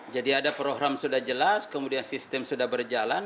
jadi ada program sudah jelas kemudian sistem sudah berjalan